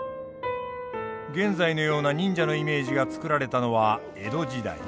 現在のような忍者のイメージが作られたのは江戸時代。